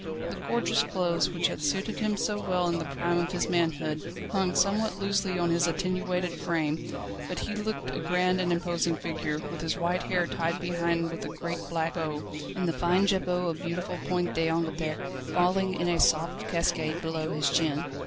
The gorgeous clothes, which had suited him so well in the prime of his manhood, hung somewhat loosely on his attenuated frame, but he looked a grand and imposing figure, with his white hair tied behind with a great black bow, and the fine jabot of beautiful point d'Angleterre falling in a soft cascade below his chin.